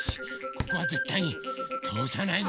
ここはぜったいにとおさないぞ！